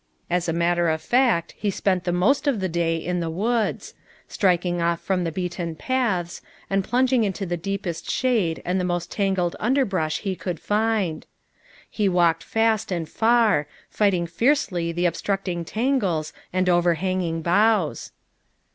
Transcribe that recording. As a matter of fact, he spent the most of the day in the woods ; striking off from the beaten paths, and plunging into the deepest shade and the most tangled underbrush he could find. He walked fast and far, fighting fiercely the ob structing tangles and overhanging boughs.